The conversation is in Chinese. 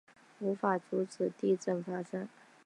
无法阻止地震发生